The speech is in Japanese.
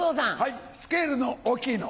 スケールの大きいの。